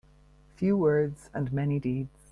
Few words and many deeds.